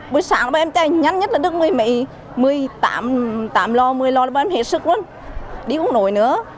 bữa sáng bọn em chạy nhanh nhất là được người mỹ một mươi tám lo một mươi lo bọn em hết sức luôn đi không nổi nữa